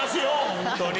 本当に。